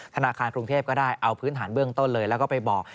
ธนาคารกรุงเทพก็ได้เอาพื้นฐานเบื้องต้นเลยแล้วก็ไปบอก